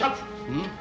うん？